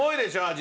味。